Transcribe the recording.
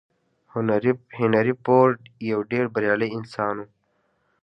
هنري فورډ يو ډېر بريالی انسان و.